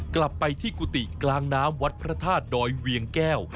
กลับไปที่กุฏิกลางน้ำวัดพระธาตุดอยเวียงแก้ว